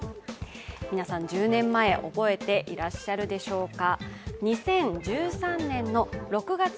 皆さん、１０年前覚えていらっしゃるでしょうか。